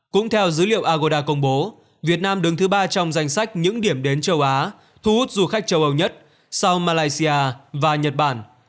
cũng theo dữ liệu agoda công bố việt nam đứng thứ ba trong danh sách những điểm đến châu á thu hút du khách châu âu nhất sau malaysia và nhật bản